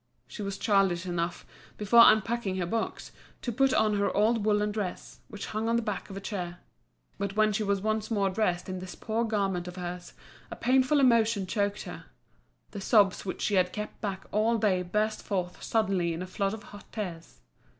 She was childish enough, before unpacking her box, to put on her old woollen dress, which hung on the back of a chair. But when she was once more dressed in this poor garment of hers, a painful emotion choked her; the sobs which she had kept back all day burst forth suddenly in a flood of hot tears.